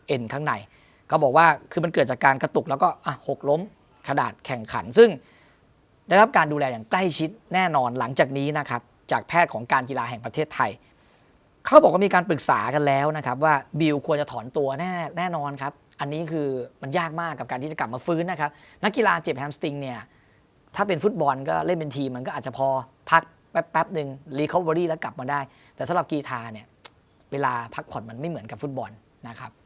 เอ็นข้างในเขาบอกว่าคือมันเกิดจากการกระตุกแล้วก็หกล้มขนาดแข่งขันซึ่งได้รับการดูแลอย่างใกล้ชิดแน่นอนหลังจากนี้นะครับจากแพทย์ของการกีฬาแห่งประเทศไทยเขาบอกว่ามีการปรึกษากันแล้วนะครับว่าบิลควรจะถอนตัวแน่นอนครับอันนี้คือมันยากมากกับการที่จะกลับมาฟื้นนะครับนักกีฬาเจ็บแ